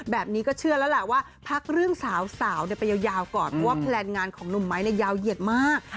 แบบนี้ก็เชื่อแล้วแหละว่าพักเรื่องสาวไปยาวก่อนเพราะว่าแพลนงานของหนุ่มไม้ยาวเหยียดมาก